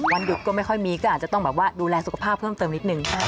หยุดก็ไม่ค่อยมีก็อาจจะต้องแบบว่าดูแลสุขภาพเพิ่มเติมนิดนึง